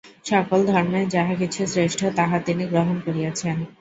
সকল ধর্মের যাহা কিছু শ্রেষ্ঠ, তাহা তিনি গ্রহণ করিয়াছেন।